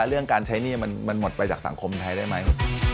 เรื่องการใช้หนี้มันหมดไปจากสังคมไทยได้ไหม